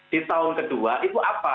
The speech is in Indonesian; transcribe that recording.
di tahun kedua itu apa